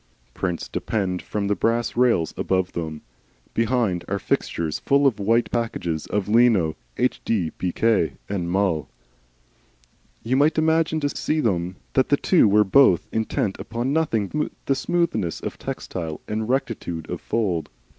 Prints depend from the brass rails above them, behind are fixtures full of white packages containing, as inscriptions testify, Lino, Hd Bk, and Mull. You might imagine to see them that the two were both intent upon nothing but smoothness of textile and rectitude of fold.